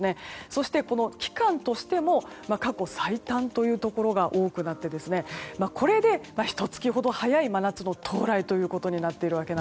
そして、期間としても過去最短というところが多くなりましてこれでひと月ほど早い真夏の到来となっています。